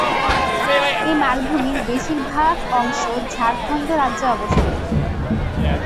এই মালভূমির বেশির ভাগ অংশ ঝাড়খন্ড রাজ্যে অবস্থিত।